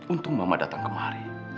untung mama datang kemari